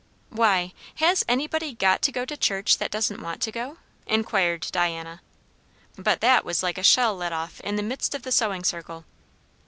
"Why, has anybody got to go to church that doesn't want to go?" inquired Diana. But that was like a shell let off in the midst of the sewing circle.